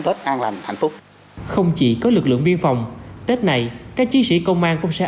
tết an lành hạnh phúc không chỉ có lực lượng biên phòng tết này các chiến sĩ công an cũng sẽ